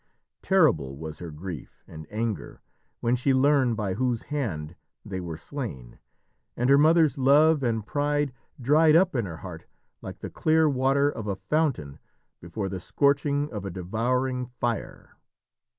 Terrible was her grief and anger when she learned by whose hand they were slain, and her mother's love and pride dried up in her heart like the clear water of a fountain before the scorching of a devouring fire.